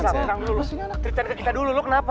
cerita dulu lu kenapa